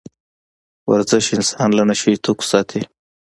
ورزش انسان له نشه يي توکو ساتي.